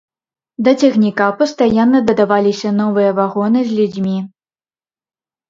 Да цягніка пастаянна дадаваліся новыя вагоны з людзьмі.